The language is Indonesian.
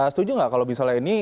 setuju nggak kalau misalnya ini